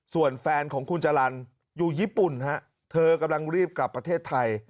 ส่วนแฟนของคุณจรรย์อยู่ญี่ปุ่นฮะเธอกำลังรีบกลับประเทศไทย